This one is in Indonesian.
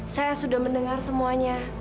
saya sudah mendengar semuanya